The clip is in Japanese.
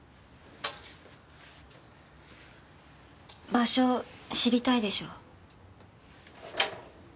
場所知りたいでしょ？